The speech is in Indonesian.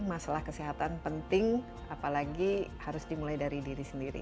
masalah kesehatan penting apalagi harus dimulai dari diri sendiri